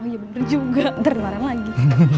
oh iya bener juga ntar dengerin lagi